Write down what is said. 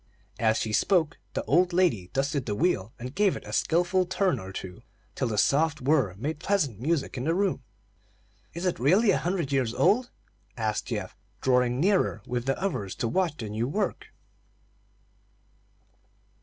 As she spoke, the old lady dusted the wheel, and gave it a skilful turn or two, till the soft whir made pleasant music in the room. "Is it really a hundred years old?" asked Geoff, drawing nearer with the others to watch the new work.